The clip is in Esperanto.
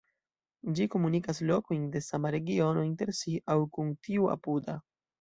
Ĝi komunikas lokojn de sama regiono inter si aŭ kun tiu apuda.